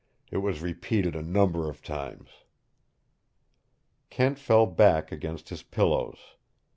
It was repeated a number of times." Kent fell back against his pillows.